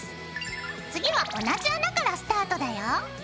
次は同じ穴からスタートだよ。